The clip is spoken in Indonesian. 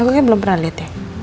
aku kayaknya belum pernah liat ya